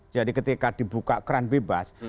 jadi ketika dibuka kran bebas